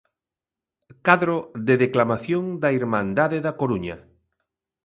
Cadro de declamación da Irmandade da Coruña.